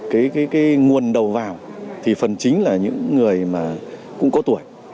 cái nguồn đầu vào thì phần chính là những người mà cũng có tuổi